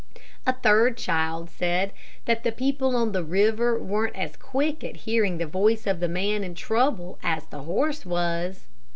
A third child said that the people on the river weren't as quick at hearing the voice of the man in trouble as the horse was.